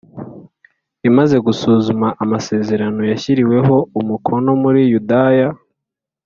Imaze gusuzuma amasezerano yashyiriweho umukono muri yudaya